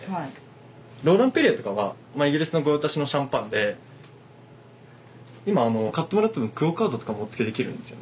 ローラン・ペリエとかはイギリスの御用達のシャンパンで今買ってもらったらクオカードとかもお付けできるんですよね。